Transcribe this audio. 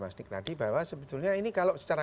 mas nik tadi bahwa sebetulnya ini kalau secara